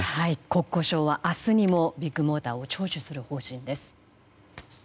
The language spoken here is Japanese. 国交省は明日にもビッグモーターを聴取する方針です。